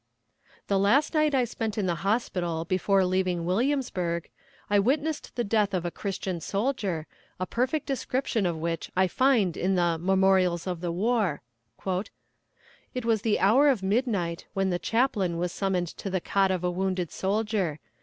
The last night I spent in the hospital before leaving Williamsburg, I witnessed the death of a christian soldier, a perfect description of which I find in the "Memorials of the War:" "It was the hour of midnight, when the chaplain was summoned to the cot of a wounded soldier.